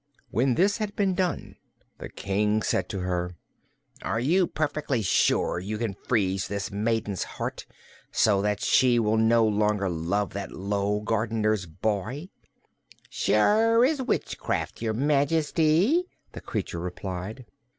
When this had been done the King said to her: "Are you perfectly sure you can freeze this maiden's heart, so that she will no longer love that low gardener's boy?" "Sure as witchcraft, your Majesty," the creature replied.